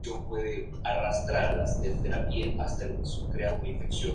Mary, la Iglesia de San Patricio.